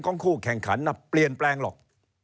คู่แข่งขันเปลี่ยนแปลงหรอก